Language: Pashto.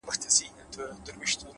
• نه ښکاریانو سوای په دام کي اچولای ,